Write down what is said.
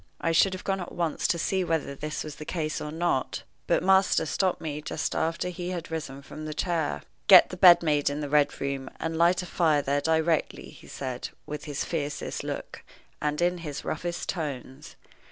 I should have gone at once to see whether this was the case or not, but my master stopped me just after he had risen from the chair. "Get the bed made in the Red Room, and light a fire there directly," he said, with his fiercest look and in his roughest tones.